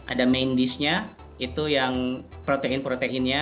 ada main dishnya itu yang protein proteinnya